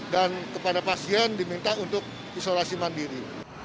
dan kepada pasien diminta untuk isolasi mandiri